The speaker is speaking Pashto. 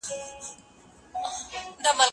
ونې ته اوبه ورکړه؟